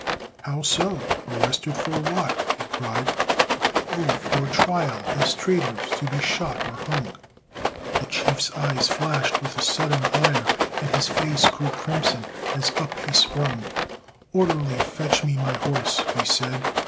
"How so? Arrested for what?" he cried. "Oh, for trial as traitors, to be shot, or hung." The chief's eye flashed with a sudden ire, And his face grew crimson as up he sprung. "Orderly, fetch me my horse," he said.